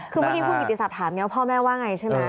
คือเมื่อกี้คุณกิติศักดิ์ถามไงว่าพ่อแม่ว่าไงใช่ไหม